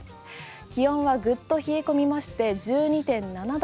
気温はぐっと冷え込みまして１２．７度。